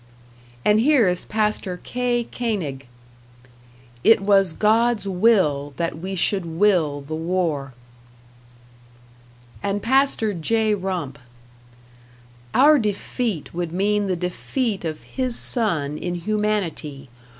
And here is Pastor K. Koenig: It was God's will that we should will the war. And Pastor J. Rump: Our defeat would mean the defeat of His Son in humanity.